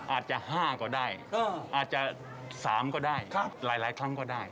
อาจจะ๕ก็ได้อาจจะ๓ก็ได้หลายครั้งก็ได้